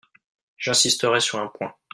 J’insisterai sur un point.